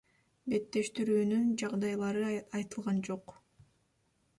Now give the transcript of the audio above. Беттештирүүнүн жагдайлары айтылган жок.